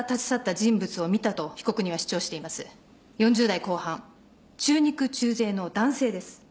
４０代後半中肉中背の男性です。